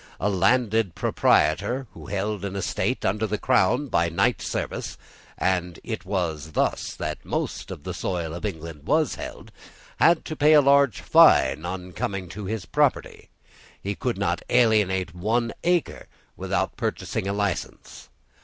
A landed proprietor who held an estate under the crown by knight service, and it was thus that most of the soil of England was held, had to pay a large fine on coming to his property. He could not alienate one acre without purchasing a license.